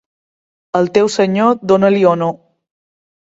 Al teu senyor, dona-li honor.